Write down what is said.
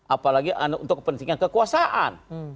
apalagi untuk pentingnya kekuasaan